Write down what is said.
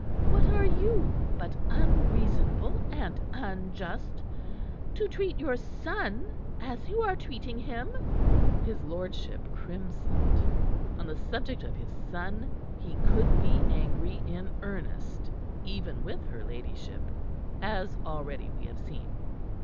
What are you but unreasonable and unjust to treat your son as you are treating him?" His lordship crimsoned. On the subject of his son he could be angry in earnest, even with her ladyship, as already we have seen.